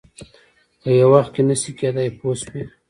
په یو وخت کې نه شي کېدای پوه شوې!.